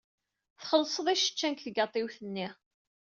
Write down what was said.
Texleḍ iseččan deg tgaṭiwt-nni.